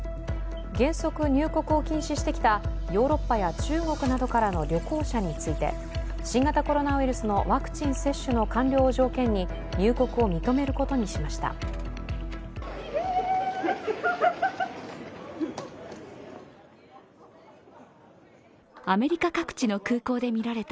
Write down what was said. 原則、入国を禁止してきたヨーロッパや中国からの旅行者について新型コロナウイルスのワクチン接種の完了を条件に入国を認めることにしました。